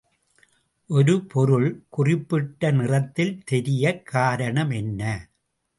ஒரு பொருள் குறிப்பிட்ட நிறத்தில் தெரியக் காரணம் என்ன?